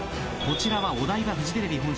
こちらはお台場。